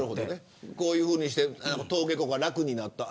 こういうふうにして登下校が楽になった。